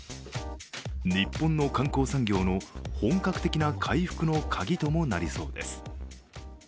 日本の観光産業の本格的な回復のカギともなりそうです。